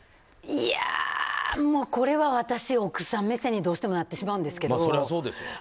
いやー、これは私奥さん目線にどうしてもなってしまうんですけど。